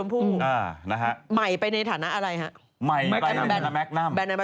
มากมีไปในฐานะอะไรเค้า